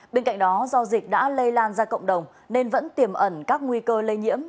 bên cạnh đó do dịch đã lây lan ra cộng đồng nên vẫn tiềm ẩn các nguy cơ lây nhiễm